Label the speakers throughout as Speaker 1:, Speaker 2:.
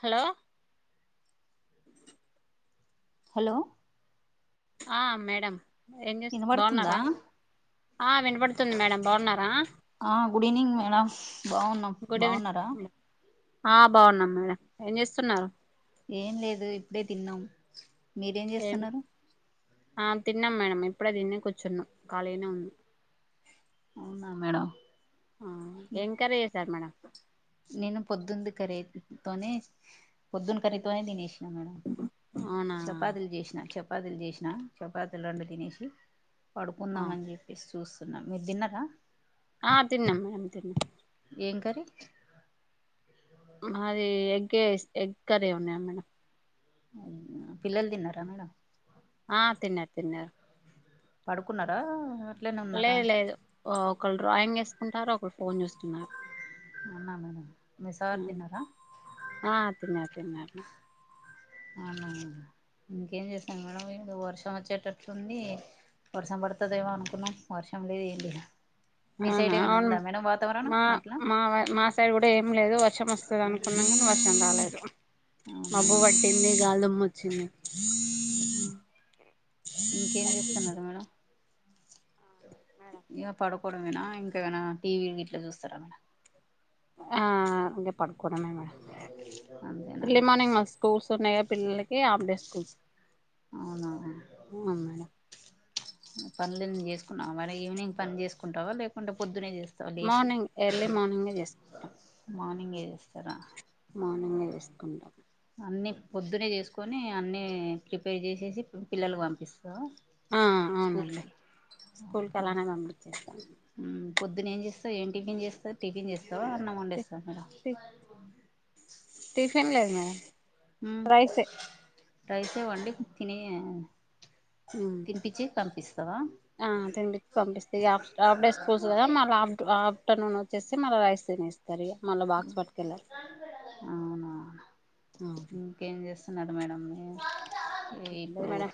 Speaker 1: hello
Speaker 2: hello
Speaker 1: ఆ madam ఏం చే
Speaker 2: వినబడుతుందా
Speaker 1: బాగున్నారా ఆ వినపడుతుంది మేడం బాగున్నారా
Speaker 2: ఆ గుడ్ ఈవనింగ్ మేడం బాగున్నాం
Speaker 1: గుడ్
Speaker 2: బాగున్నారా
Speaker 1: ఈవినింగ్ ఆ బాగున్నాం మేడం ఏం చేస్తున్నారు
Speaker 2: ఏం లేదు ఇప్పుడే తిన్నాం మీరేం
Speaker 1: ఏం
Speaker 2: చేస్తున్నారు
Speaker 1: ఆ తిన్నాం మేడం ఇప్పుడే తిని కూర్చున్నా ఖాళీనే ఉంది
Speaker 2: అవునా మేడం
Speaker 1: ఆ ఏం కర్రీ చేసార్ మేడం
Speaker 2: నేను పొద్దున్న కరీతోనే పొద్దున్న కఖర్రీతోనే దినేష్ మేడం
Speaker 1: అవునా
Speaker 2: చపాతలు చేసినా చ చపాతీలు చేసినా చపాతీలు రెండు తినేసి పడుకుందాం అని చెప్పేసి చూ న్నా మీరు తిన్నారా
Speaker 1: ఆ తిన్నామ్ అను తిన్నా
Speaker 2: ఏం కర్రీ
Speaker 1: అది ఎగ్ ఈసీ ఎగ్ కర్రీ ఉన్నా మేడం
Speaker 2: పిల్లలు తిన్నారా మేడం
Speaker 1: ఆ తిన్న తిన్న
Speaker 2: పడుకున్నారా అట్లనే ఉన్నారా
Speaker 1: లేదు లేదు ఒకరు డ్రాయింగ్ వేస్తుకుంటారు ఒకరు ఫోన్ చేూస్తున్నారు
Speaker 2: అన్నా మేడం మీ సార్ తిన్నారా
Speaker 1: ఆ తిన తిన్న
Speaker 2: అవున ఇంకేం చేస్తాను మేడం ఈడు వర్షం వచ్చేటట్లు ఉంధి వర్షం పడుతదేవా అనుకున్నా వర్షం లేదు ఇలి
Speaker 1: అవునా అవును మా
Speaker 2: అట్లా
Speaker 1: మా మా సైడ్ కూడా ఏం లేదు వర్షం వస్తుంది అనుకున్నా కానీ వర్షం రాలేదు
Speaker 2: అవునా
Speaker 1: మబ్బు
Speaker 2: మేడం
Speaker 1: పట్టింది గాలిదుమ్మ వచ్చింది
Speaker 2: ఇంకేం చేస్తున్నారుడు మేడం ఇక పడుకోవడంమనా ఇంకా ఏమైనా టీవీలు ఇట్లా చూస్తారా మేడ
Speaker 1: ఆ పడుకడమ మేడ
Speaker 2: అంతేనా
Speaker 1: ఇర్లీ మార్నింగ్ స్కూల్ సన్న పిల్లలకి ఆఫ్ డే స్కూల్స్ అవును మేడం
Speaker 2: పనులు చేసుకున్నావా మరి ఈవినింగ్ పనిలు చేసుకుంటావా లేకుంటే పొద్దునే చే
Speaker 1: మార్నింగ్ ఎర్లీ మార్నింగే చేసుకుంటాం
Speaker 2: ఇంగే చేస్తారా
Speaker 1: మార్నింగ్ వేసుకుంటాం
Speaker 2: అన్నీ పొద్దునే చేసుకొని అన్నీ ప్రిపేర్ చేసేసి పిల్లకి పంపిస్తాను
Speaker 1: అవునండి స్కూల్కి అలానే పంపిస్తా
Speaker 2: పొద్దు ఏం చేస్తా ఏం టిఫన్స్త టిఫిన్ చేస్తా అన్నం వండేస్తాం [inaudible]
Speaker 1: తినలేదు
Speaker 2: రైసే వండి తిని [inaudible] తినిపించి పంపిన్
Speaker 1: ఆ తినిపించి పంపిస్తా అప్పుడే స్కూల్స్ కదా మళ్ళీ ఆఫ్టర్నూన్ వచ్చేసి మళ్ రైస్ తినేస్తంది
Speaker 2: అవునావు ఇంకేం చేస్తా న్నారూ మేడం
Speaker 1: దు
Speaker 2: ఇప్పుడు
Speaker 1: మేడం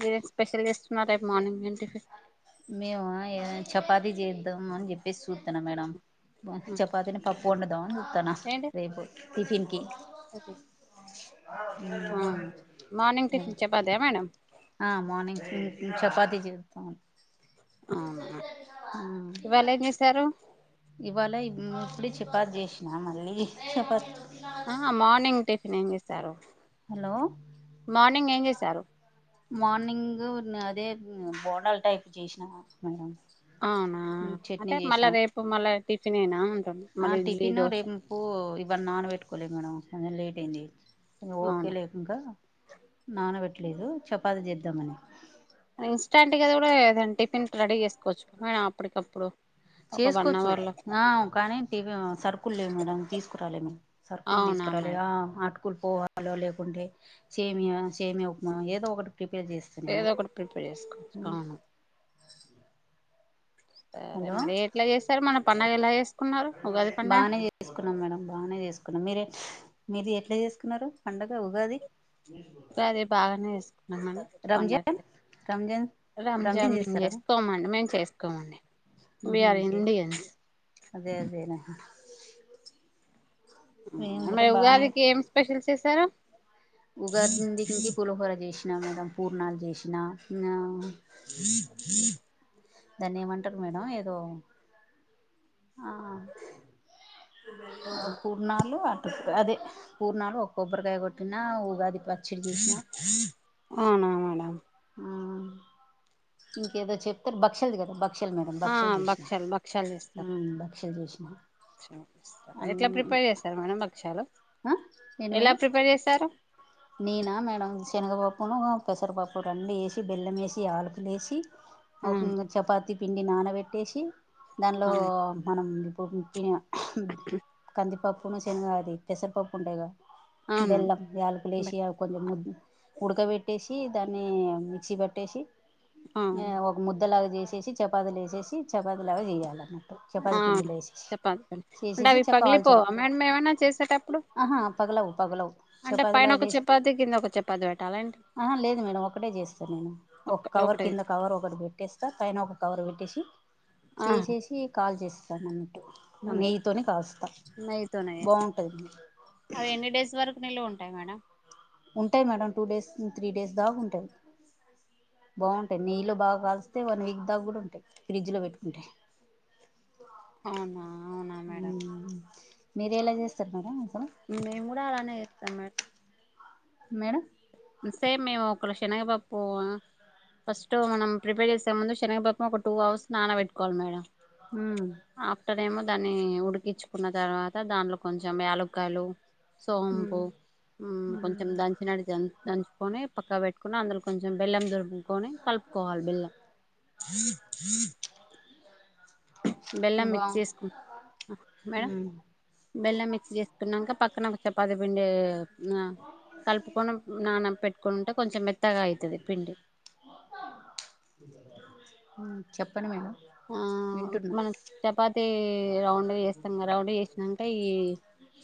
Speaker 1: మీర స్పెషల్ చేస్తున్నారూ రేపు మార్నింగ్ టిఫిన్
Speaker 2: మేము చపాతి చేద్దాము అని చెప్పేసి చూస్తున్నా మేడం చపాతని పప్పు ఉండడుదాంని చస్తానా
Speaker 1: ఏంటి
Speaker 2: రేపు టిఫిన్ కి
Speaker 1: మార్నింగ్ టిఫిన్ చపాతి మేడమ్
Speaker 2: ఆ మార్నింగ్ చపాతి చేస్తాం
Speaker 1: ఆ
Speaker 2: మ్మ్
Speaker 1: ఇవాళ ఏం చేసారు
Speaker 2: ఇవాళ ఇప్పుడ చపాతి చేసినా మళ్ళీ చపాతి
Speaker 1: ఆ మార్నింగ్ టిఫిన్ ఏం చేశారు
Speaker 2: హలో
Speaker 1: మార్నింగ్ ఏం చేశారు
Speaker 2: మార్నింగ్ అదే బోడాల్ టైప్ చేసినా మేడం
Speaker 1: అవునా
Speaker 2: చట్నీ
Speaker 1: అంటే
Speaker 2: చేసిన
Speaker 1: మళ్ళా రేపు మళ్ళా టిఫిన్ ఏనా
Speaker 2: ఆ టిఫిన్ రేపు ఇవన్నీ నాన పెట్టుకోలే మేడం కొంచం లేట్ అయింది ఓకే
Speaker 1: అవునా
Speaker 2: లేకంక నానబెట్టలేదు చపాతీ చేద్దామని
Speaker 1: ఇన్స్టాంట్ కదా కూడా ఏదన్నా టిఫిన్ రెడీ చేసుకోవచ్చు అప్పటికప్పుడు ఒక వన్
Speaker 2: చేసుకోవచ్చు
Speaker 1: అవర్ లో
Speaker 2: ఆ కానీ సర్కుల్ లేవు మేడం తీసుకురాలి మేము సర్కుల్
Speaker 1: అవునా
Speaker 2: తీసుకు చకరలు
Speaker 1: మేడం
Speaker 2: అటుకులు పోవాలో లేకుంటే సేమియా సేమియా ఉప్మా ఏదో ఒకటి ప్రిపేర్ చేస్తా నేను
Speaker 1: ఏదో ఒకటి ప్రిపేర్ చేసుకోవచ్చు అవును సరే
Speaker 2: హలో
Speaker 1: మరి ఎట్లా చేస్తారు మన పండగ ఎలా చేసుకున్నారు ఉగాది పండగ
Speaker 2: బానే చేసుకున్నాం మేడం బాగానే కునాం మీర మీది ఎట్లా చేసుకున్నారు పండగ ఉగాది
Speaker 1: ఇ అది బాగానే వేసుకున్నాం మడం పండగ
Speaker 2: రంజాన్ రంజాన్
Speaker 1: రంజాన్ మేం చేసుకోమండి మేము చేసుకోమండి వీఆర్ ఇండియన్స్
Speaker 2: అదే అదేనా మేము కూడా
Speaker 1: మరి
Speaker 2: బానే
Speaker 1: ఉగాదికి ఏం స్పెషల్ చేసారు
Speaker 2: ఉగాదికి పులహోర చేసినా మేడం పూర్ణాలు చేసినా ఆ
Speaker 1: థ థ
Speaker 2: దాన్ని ఏమంటారు మేడం ఏదో ఆ
Speaker 1: అవునా
Speaker 2: పూర్నాలు అటు అదే పూర్ణలు ఒక కొబ్బరికాయ కొట్టిన ఉగాది పచ్చడి చేసిన
Speaker 1: అవునా మేడం
Speaker 2: ఇంకేదో చెప్తారు బక్షలుది కదా బక్ష పక్షలు మేడం
Speaker 1: ఆ
Speaker 2: బక్షలు చూసినా
Speaker 1: భక్షాలు భక్షాలు చేస్తారు
Speaker 2: బక్షలు చూసినా
Speaker 1: ఎట్లా ప్రిపేర్ చేస్తారు మనడం బక్షాలు
Speaker 2: నేను మేడం నేనా మేడం శనగపప్పున పెసరపప్పు రన్నడు వేసి బెల్లం వేసి ఆలుకులు వేసి ఒక
Speaker 1: అవును
Speaker 2: చపాతి పిండి నానబెట్టేసి దానిలో
Speaker 1: అవును
Speaker 2: మనం కందిపప్పున శనగా అది పెసరపప్పు ఉంటాయి క
Speaker 1: అవునండి
Speaker 2: బెల్లం ఏలకులు లేసి కొంచెం ఉడకబెట్టిసి ఈ దాన్ని మిక్సి పట్టేసి ఎ
Speaker 1: అవును
Speaker 2: ఒక ముద్ద లాగ జేసి చేసి చపాతీల చేసి చపాతి లాగా జేయాల
Speaker 1: ఆ
Speaker 2: చపాతి పిండిలో ఎసేసి
Speaker 1: చపాతి పిండి అంటే
Speaker 2: చేసేసి
Speaker 1: అవి
Speaker 2: చక్ కాల్చడం
Speaker 1: పగిలిపోవా మేడం ఏమైనా చేసేటప్పుడు
Speaker 2: ఆహా పగలవు పగలవు
Speaker 1: అంటే
Speaker 2: చపాతిలా
Speaker 1: పైన ఒక
Speaker 2: చేసి
Speaker 1: చపాతి కింద ఒక చపాతి పెట్టాలా ఏంటి
Speaker 2: ఆహా లేదు మేడం ఒకటే చేస్తాను నేను ఒక కవర్ కింద కవర్ ఒకటి పెట్టేస్తా పైన ఒక కవర్ పెట్టేసి చేసేసి కాల్ చేస్
Speaker 1: అ నెయ్యితోనే
Speaker 2: బాగుంటది
Speaker 1: అవి ఎన్ని డేస్ వరకు నిలవ ఉంటాయి మేడం
Speaker 2: ఉంటాయి madam two days three days దాక ఉంటాయి బాగుంటాయి నెయ్యిలో బాగా కాలిస్తే వన్ వీక్ దాకా కూడా ఉంటాయి ఫ్రిడ్జ్ లో పెట్టుకుంటే
Speaker 1: అవునా అవునా మేడం
Speaker 2: మీరేలా చేస్తారు మేడం అసలు
Speaker 1: మేమ్ కూడా అలానే ఏస్తాం మేడం
Speaker 2: మేడం
Speaker 1: సేమ మేమ్ ఒక్కల శనగపప్పు ఆ ఫస్ట్ మనం ప్రిపేర్ చేసే ముందు శనగపప్పు ఒక టూ అవర్స్ నాన పెట్టుకోవాలి మేడం
Speaker 2: మ్మ్
Speaker 1: ఆఫ్టర్ ఏమో దాన్ని ఉడికించుకున్న తర్వాత దాంట్లో కొంచెం యలుక్కయలు సోంపు
Speaker 2: ఉమ్
Speaker 1: మ్ కొంచం ద
Speaker 2: ఉమ్
Speaker 1: దన్ దంచుకొని పక్క పెట్టుకొని అందులో కొంచెం బెల్లం దురుపుకొని కలుపుకోవాలి బెల్లం థక థక బెల్లం
Speaker 2: బా
Speaker 1: మిక్స్ చేసుకో మేడం
Speaker 2: ఉమ్
Speaker 1: బెల్ల మిక్స్ జేసుకున్నాక పక్కన ఒక చపాతి పిండి ఆ కలుపుకొని నాన పెట్టుకుని ఉంటే కొంచెం మెత్తగా అయితది పిండి
Speaker 2: చెప్
Speaker 1: ఆ మనం చపాతి రౌండ్ ఎస్తాం రౌండ్ చేసినంక ఈ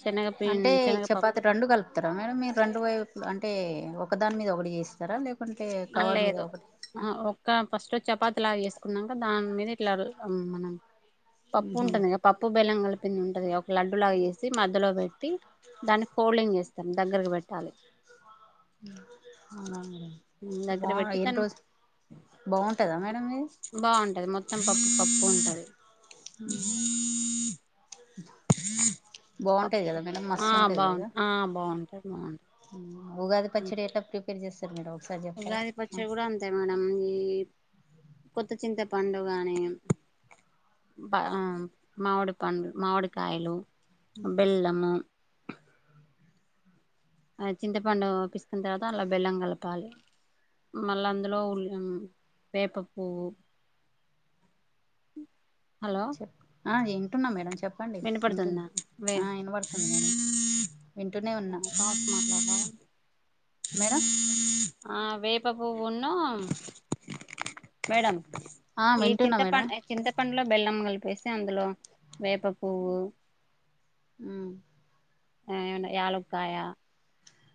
Speaker 1: శనగ పి
Speaker 2: అంటే
Speaker 1: శనగపప్పు
Speaker 2: చపాతి రెండు కలుపుతారా మేడం మీరు రెండు వైపుల అంటే టే ఒక దాని మీద ఒకడి జేస్తారా లేక
Speaker 1: అ లేదు అ ఒక ఫస్ట్ వ చపాతీ లాగా ఎసుకున్నాక దాని మీద ఇట్లా మన పప్పు
Speaker 2: ఉహు
Speaker 1: ఉంటుంది గ పప్పు బెలం కల్పి పింది ఉంటది గ ఒక లడ్డులాగా ఎసి మధ్యలో పెట్టి దాన్ని ఫోల్డింగ్ చేస్తాం దగ్గరకు పెట్టాలి
Speaker 2: అవున అండి
Speaker 1: దగ్గర పెట్టి తను
Speaker 2: బాగుంటదా మేడం ఇది
Speaker 1: బావుంటది మొ త్తం పప్పు పప్పు ఉంటది
Speaker 2: బాగుంటది కదా మేడం
Speaker 1: ఆ
Speaker 2: మస్తు ఉంటది
Speaker 1: బాన్
Speaker 2: కదా
Speaker 1: ఆ బాన్
Speaker 2: ఉగాది పచ్చడి ఎట్ట ప్రిపేర్ చేస్తారు మేడం ఒకసారి చెప్తారా
Speaker 1: ఉగాది పచ్చడి కూడా అంతే మేడం ఈ కొత్త చింత పండు గాని బ ఆ మామిడి పండు మామిడి కాయలు బెల్లము ఆ చింతపండు పిస్కిన తర్వాత అలా బెల్లం గలపాలి మళ్ళ అందులో ఉల్ ఆ వేప పువ్వు
Speaker 2: చెప్ ఆ ఇంటున్నా మేడం చెప్పండి
Speaker 1: వినపడుతుంద
Speaker 2: వింటున్నా
Speaker 1: వె
Speaker 2: ఆ వినబడుతుంది మేడం వింటూనే ఉన్నా
Speaker 1: కాల్స్ మాట్లడర
Speaker 2: మేడం
Speaker 1: వేప పువ్వును మేడం
Speaker 2: ఆ
Speaker 1: ఈ
Speaker 2: వింటున్నా
Speaker 1: చింతపం
Speaker 2: మేడం
Speaker 1: చింతపండులో బెల్లం గలిపేసి అందులో వేప పూ
Speaker 2: అ
Speaker 1: ఆ ఆయాళక్కయ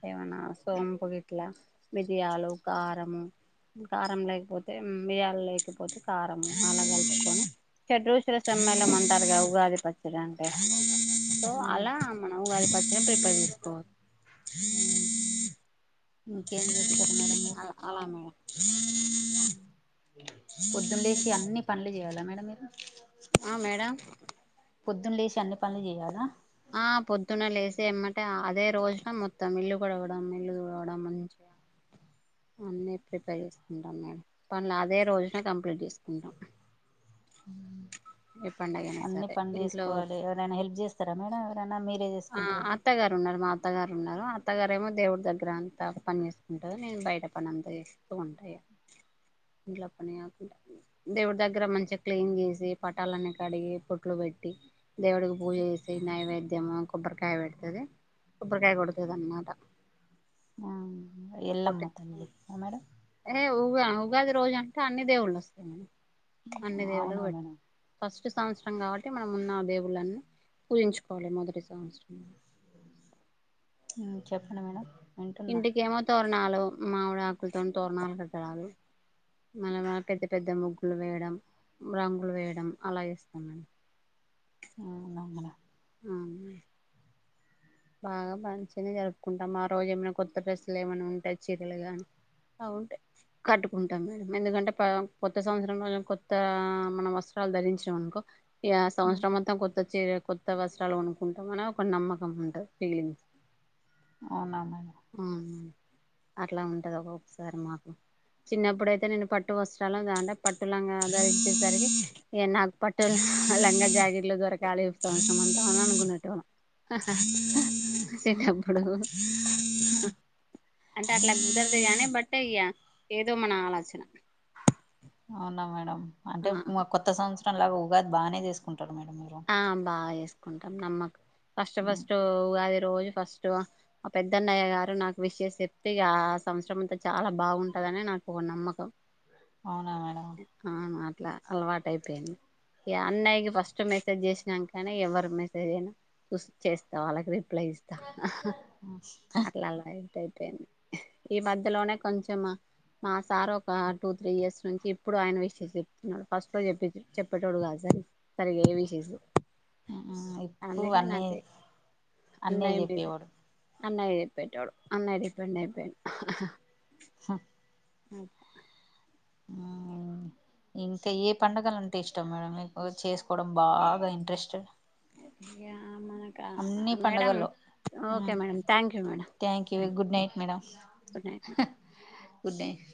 Speaker 1: ఏమనా సోంపు గట్లా మిధయాలు కారము కారం లేకపోతే బి్యాల లేకపోతే కారం అలా కలుపుకొని చద్రూచర సమయంలో అంటారుగా ఉగాది పచ్చడి అంటే సో అలా మనం వాళ పచ్చిన ప్రిపేర్ చేసుకోవాలి
Speaker 2: ఇంకేం చేస్తారు మేడం మీరు
Speaker 1: అలా అలా మేడం
Speaker 2: పొద్దున్న లేసి అన్ని పనులు చేయాలా మేడం మీరు
Speaker 1: ఆ మేడం
Speaker 2: పొద్దున్న లేచి అన్ని పనులు చేయ్యాలా
Speaker 1: ఏమంటే అదే రోజున మొత్తం ఇల్లు గొడవడం ఇల్లు దొడవడం మంచిగా అన్నీ ప్రిపేర్ చేసుకుంటాం మేడం పనులు అదే రోజున కంప్లీట్ చేసుకుంటాం ఏ పండగైనా
Speaker 2: అన్నీ
Speaker 1: సరే
Speaker 2: పని
Speaker 1: ఇంట్లో
Speaker 2: చేసుకోవాలి ఎవరైనా హెల్ప్ చేస్తారా మేడం ఎవరైనా మీరే
Speaker 1: ఆ
Speaker 2: చేసుకుంటారా
Speaker 1: అత్తగారు మా అత్తగారు ఉన్నారు అత్తగారుేమో దేవుడి దగ్గర అంత పని చేసుకుంటారు నేను బయట పని అంత చేస్త ంట ఇంట్లో పని కాకుండా దేవుడి దగ్గర మంచిగా క్లీన్ చేసి పటాలన్నీ కడిగి పొట్లు పెట్టి దేవుడికి పూజ చేసి నైవేద్యము కొబ్బరికాయ పెడుతుది కొబ్బరికాయ కొడుతుది అన్నమాట
Speaker 2: ఆ ఎల్లమ్మ తల్లి ఆ మేడం
Speaker 1: ఏ ఉగాది రోజు అంటే అన్ని దేవుళ్ళ వస్తాయి మ అన్ని దేవుగా
Speaker 2: అవునా
Speaker 1: పెట్టి
Speaker 2: మేడం
Speaker 1: ఫస్ట్ సంవత్సరం కాబట్టి మనం ఉన్న ఆ బేబులన్నీ పూజించుకోవాలి మొదటి సంవత్సరంలో
Speaker 2: చెప్పండి మేడం వింటున్నా
Speaker 1: ఇంటికేమో తోరణాలు మామిడి ఆకులతో తోరణాలు కట్టడాలు మళ మ పెద్ద పెద్ద ముగ్గులు వేయడం రంగులు వేయడం అలా ఇేస్తామండి
Speaker 2: వునా
Speaker 1: అవు బాగా మంచిగానే జరుపుకుంటాం ఆ రోజు ఏమైనా కొత్త డ్రెస్సులు ఏమైనా ఉంటా చీరలుగాని బ ఉంటాయి కట్టుకుంటాం మేడం ఎందుకంటే కొత్త సంవత్సరం రోజ కొత్త మనం వస్త్రాలు ధరించడం అనుకో ఈ
Speaker 2: ఉమ్,
Speaker 1: సంవత్సరం మొత్తం కొత్త చ కొత్త వస్త్రాలు వనుకుంటాం అనే ఒక నమ్మకం ఉంటది పలి
Speaker 2: నా మ
Speaker 1: అట్లా ఉంటుంది ఒక్కొక్కసారి మాకు చిన్నప్పుడైతే నేను పట్టు వస్త్రాలు దాంటే పట్టు లంగా ఆదరిచ్చేసరికి నాకు పట్టు లంగా జాకెట్లు దొరకాలి ఇతాం సమంతాంని అనుకున్నట్టు వాళ కబడు
Speaker 2: ఉమ్,
Speaker 1: అంటే అట్లా కుదరదు కానీ బట్ ఇ ఏదో మన ఆలోచన
Speaker 2: అవునా మేడం అంటే కొత్త సంవత్సరం లాగా ఉగాది బాగానే చేసుకుంటా
Speaker 1: ఆ బాగా చేేసుకుంటాం నమ్మక ఫస్ట్
Speaker 2: ఉమ్,
Speaker 1: ఫస్ట్గాది రోజు ఫస్ట్ ఆ పెద్దన్నయ్య గారు నాకు విషేస్ చెప్తే ఆ సంవత్సరం అంతా చాలా బాగుంటది తనే నాకు ఒక నమ్మకం
Speaker 2: అవునా మేడం
Speaker 1: ఇట్లా అలవాటు అయిపోయింది ఈ అన్నయకి ఫస్ట్ మక్ మెసేజ్ చేసినా కానీ ఎవరు మెసేజ్ అయినా చూ చేస్తా వాళ్ళకి అప్ల ఇస్తా అట్లాలా ఏయి అ ఈ మధ్యలోనే కొంచెము మా సార్ ఒక టూ త్రీ ఇయర్స్ నుంచి ఇప్పుడు ఆయన విషయం చెప్తున్నాడు ఫస్ట్ లో చెప్ప చెప్పేటోడు కాదుా సరిగే
Speaker 2: ఇప్పుడు
Speaker 1: అందుకే
Speaker 2: అన్నీ
Speaker 1: నాకు
Speaker 2: అన్నయ చెప్పేవాడు
Speaker 1: అన్నయా చెప్పేటొదు అన్నయా డిపెండ్ అయిపో
Speaker 2: హ
Speaker 1: హ
Speaker 2: ఇంకా ఏ పండగలు అంటే ఇష్టం మేడం మీకు చేసుకోవడం బాగా ఇంట్రెస్ట్డ్
Speaker 1: అ అమానాకా మేడం
Speaker 2: పండుగల్లో
Speaker 1: okay madam thank you madam
Speaker 2: you
Speaker 1: thank
Speaker 2: good night madam
Speaker 1: good night madam
Speaker 2: good night